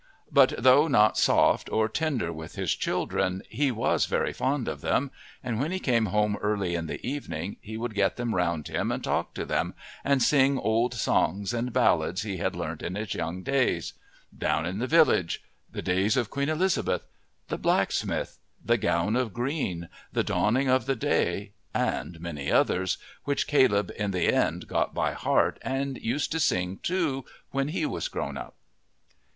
But though not soft or tender with his children he was very fond of them, and when he came home early in the evening he would get them round him and talk to them, and sing old songs and ballads he had learnt in his young years "Down in the Village," "The Days of Queen Elizabeth," "The Blacksmith," "The Gown of Green," "The Dawning of the Day," and many others, which Caleb in the end got by heart and used to sing, too, when he was grown up.